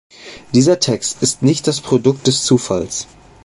Dieser Text ist nicht das Produkt des Zufalls.